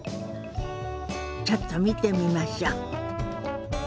ちょっと見てみましょ。